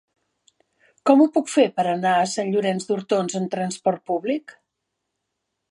Com ho puc fer per anar a Sant Llorenç d'Hortons amb trasport públic?